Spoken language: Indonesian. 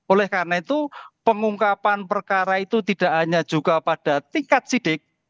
oleh karena itu pengungkapan perkara itu tidak hanya juga pada tingkat sidik